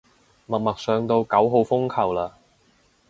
默默上到九號風球嘞